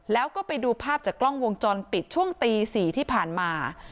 แล้วก็ไปดูภาพจากกล้องวงจรปิดช่วงตี๔ที่ผ่านมา